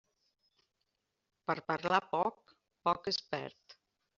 Per parlar poc, poc es perd.